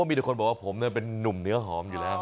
มีแต่คนบอกว่าผมเป็นนุ่มเนื้อหอมอยู่แล้ว